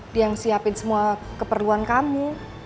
dia yang siapin semua keperluan kamu